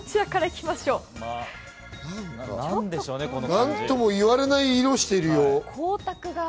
何とも言えない色をしてるよ。